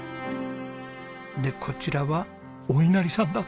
でこちらはおいなりさんだ。